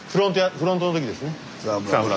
フロントの時ですね。